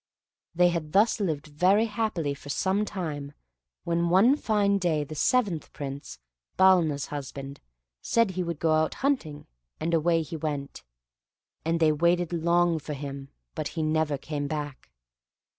They had thus lived very happily for some time, when one fine day the seventh Prince (Balna's husband) said he would go out hunting, and away he went; and they waited long for him, but he never came back.